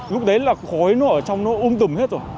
lúc đấy là khối nó ở trong nó ôm tùm hết rồi